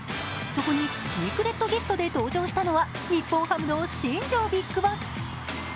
そこにシークレットゲストで登場したのは日本ハムの新庄ビッグボス。